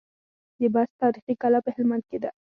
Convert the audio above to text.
د بست تاريخي کلا په هلمند کي ده